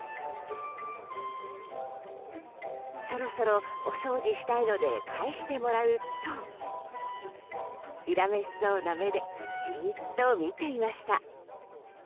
そろそろ、お掃除したいので返してもらうと恨めしそうな目でジーっと見ていました。